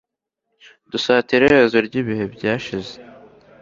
dusatira iherezo ryibihe byashize